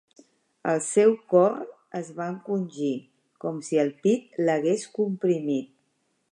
El seu cor es va encongir, com si el pit l'hagués comprimit.